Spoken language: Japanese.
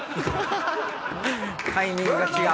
タイミングが違う。